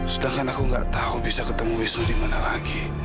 sedangkan aku gak tau bisa ketemu wisnu dimana lagi